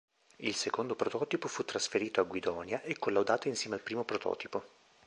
Il secondo prototipo fu trasferito a Guidonia e collaudato insieme al primo prototipo.